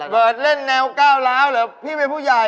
เล่นแนวก้าวร้าวเหรอพี่เป็นผู้ใหญ่